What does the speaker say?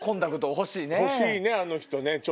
欲しいねあの人ね。